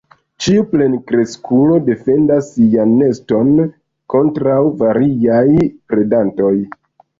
Ĉiu plenkreskulo defendas sian neston kontraŭ variaj predantoj.